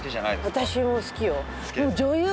私も好きよ。